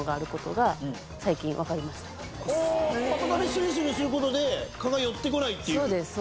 すりすりすることで蚊が寄ってこないっていうそうです